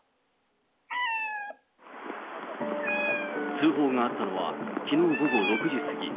通報があったのは、きのう午後６時過ぎ。